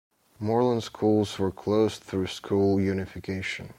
Morland schools were closed through school unification.